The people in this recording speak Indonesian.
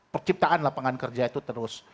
perciptaan lapangan kerja itu terus